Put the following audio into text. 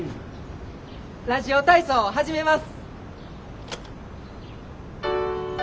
ラジオ体操始めます！